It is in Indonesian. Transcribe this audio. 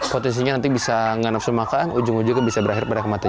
potensinya nanti bisa nggak nafsu makan ujung ujungnya bisa berakhir pada kematian